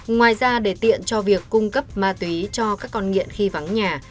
ngoài ra để tiện cho việc cung cấp ma túy cho các con nghiện khi vắng nhà